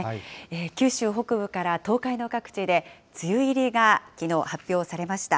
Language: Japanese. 九州北部から東海の各地で梅雨入りがきのう発表されました。